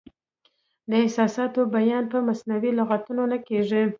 د احساساتو بیان په مصنوعي لغتونو نه کیږي.